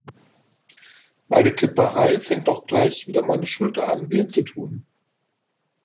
Bei der Tipperei fängt doch gleich wieder meine Schulter an weh zu tun.